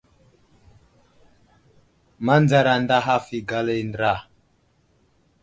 Manzar anday haf i gala i andra.